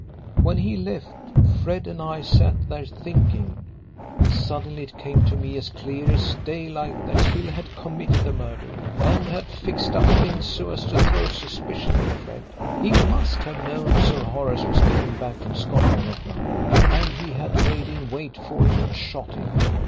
"When he left, Fred and I sat there thinking. Suddenly it came to me as clear as daylight that Hill had committed the murder, and had fixed up things so as to throw suspicion on Fred. He must have known Sir Horace was coming back from Scotland that night, and he had laid in wait for him and shot him.